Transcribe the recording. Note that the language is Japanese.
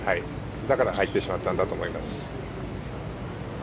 だから入ってしまったんだと思います。